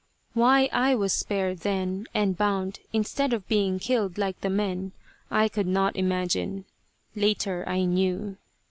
Why I was spared, then, and bound, instead of being killed like the men, I could not imagine. Later I knew.